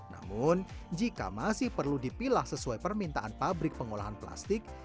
namun jika masih perlu dipilah sesuai permintaan pabrik pengolahan plastik